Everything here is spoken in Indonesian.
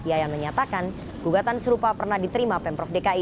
yayan menyatakan gugatan serupa pernah diterima pemprov dki